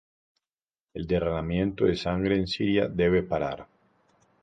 El derramamiento de sangre en Siria debe parar".